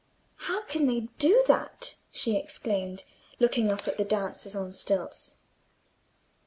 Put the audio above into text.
"How can they do that?" she exclaimed, looking up at the dancers on stilts.